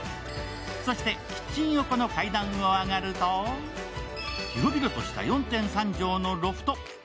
そしてキッチン横の階段を上がると広々とした４．３畳のロフト。